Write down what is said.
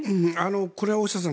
これは大下さん